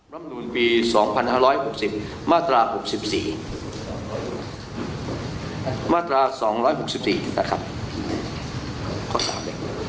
รำนูนปี๒๕๖๐มาตรา๖๔มาตรา๒๖๔ครับครับ